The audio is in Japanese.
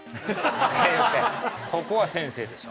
先生ここは先生でしょ